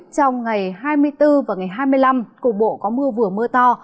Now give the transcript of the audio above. trong ngày hai mươi bốn và ngày hai mươi năm cục bộ có mưa vừa mưa to